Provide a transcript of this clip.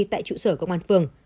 tại trụ sở công an phường